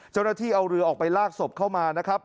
เจ้าหน้าที่เอาเรือออกไปลากศพเข้ามานะครับ